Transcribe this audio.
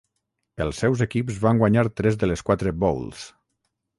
Els seus equips van guanyar tres de les quatre Bowls.